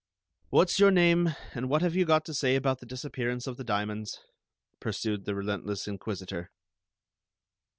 "What's your name, and what have you got to say about the disappearance of the diamonds?" pursued the relentless inquisitor.